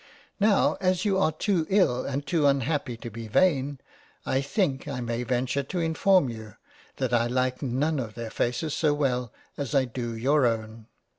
Now, as you are too ill and too unhappy to be vain, I think I may venture to inform you that I like none of their faces so well as I do your own.